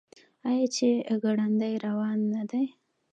آیا چې ګړندی روان نه دی؟